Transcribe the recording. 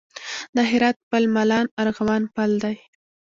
د هرات پل مالان ارغوان پل دی